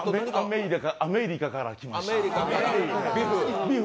アメーリカから来ました。